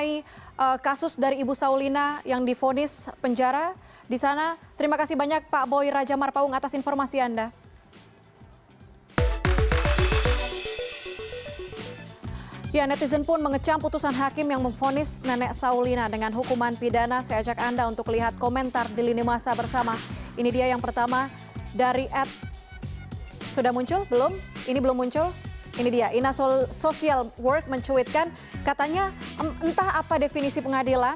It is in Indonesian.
ibu saulina langsung meneritangani akta banding